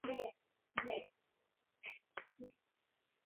Ukanda huu unaanzia wilaya ya Tarime na kuenea